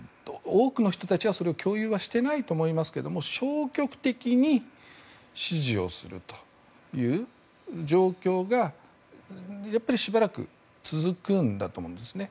多くの人たちは、それを共有していないとは思いますが消極的に支持をするという状況がやっぱりしばらく続くんだと思うんですね。